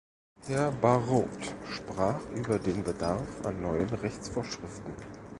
Herr Barrot sprach über den Bedarf an neuen Rechtsvorschriften.